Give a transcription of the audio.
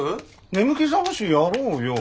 眠気覚ましやろうよ。